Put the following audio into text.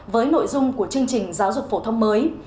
với nội dung của chương trình giáo dục phổ thông mới